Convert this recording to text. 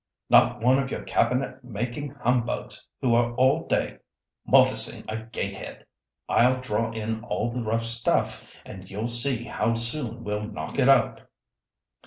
Not one of your cabinet making humbugs who are all day morticing a gate head. I'll draw in all the round stuff, and you'll see how soon we'll knock it up."